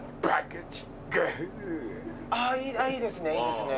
いいですねいいですね。